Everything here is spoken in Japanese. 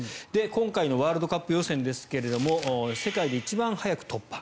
今回のワールドカップ予選ですが世界で一番早く突破。